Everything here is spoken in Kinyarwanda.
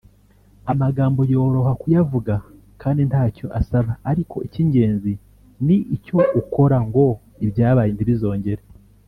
Amagambo yoroha kuyavuga kandi ntacyo asaba ariko icy’ingenzi ni icyo ukora ngo ibyabaye ntibizongere